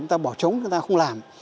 chúng ta bỏ trống chúng ta không làm